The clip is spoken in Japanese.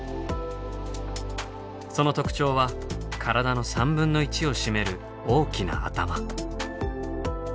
その特徴は体の３分の１を占める大きな頭。